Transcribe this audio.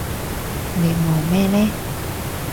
你望咩呢？